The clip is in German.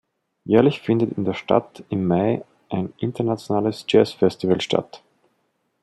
Jährlich findet in der Stadt im Mai ein internationales Jazz-Festival statt.